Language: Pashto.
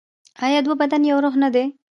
آیا دوه بدن یو روح نه دي؟